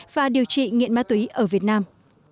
và điều trị nghiện ma túy ở việt nam